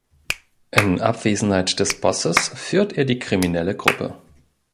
In Abwesenheit des Bosses führt er die kriminelle Gruppe.